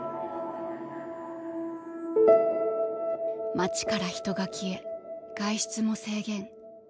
街から人が消え外出も制限。